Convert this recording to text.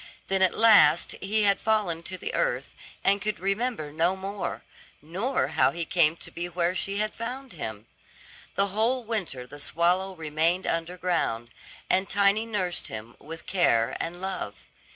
Then at last he had fallen to the earth, and could remember no more, nor how he came to be where she had found him. The whole winter the swallow remained underground, and Tiny nursed him with care and love.